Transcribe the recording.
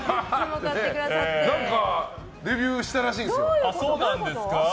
何かデビューしたらしいですよ。